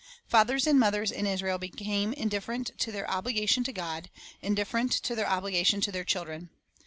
1 Fathers and mothers in Israel became indifferent to their obligation to God, indifferent to their obligation to their children.